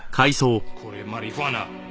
これマリファナ。